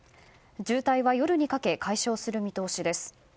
渋滞は夜にかけ解消する見通しです。